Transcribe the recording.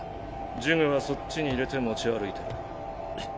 呪具はそっちに入れて持ち歩いてる。